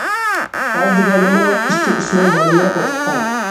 ئاز دېگەندىمۇ ئىككى- ئۈچ مىڭ بالىنى ئوقۇتقان.